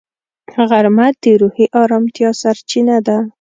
غرمه د روحي ارامتیا سرچینه ده